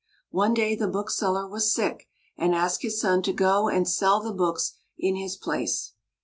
One day the bookseller was sick, and asked his son to go and sell the books in his place.